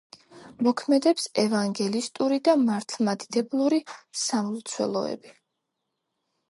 მოქმედებს ევანგელისტური და მართლმადიდებლური სამლოცველოები.